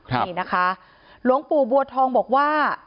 นี่นะคะหลวงปู่บัวทองบอกว่า